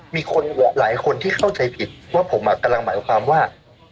มีคนหลายคนที่เข้าใจผิดว่าผมกำลังหมายความว่า